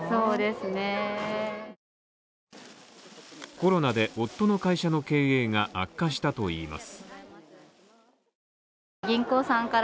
コロナで夫の会社の経営が悪化したといいます。